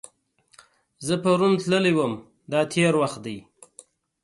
زه پرون تللی وم – دا تېر وخت دی.